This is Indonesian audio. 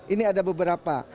ini ada beberapa